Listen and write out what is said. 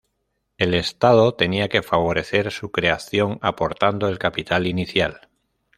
El Estado tenía que favorecer su creación aportando el capital inicial.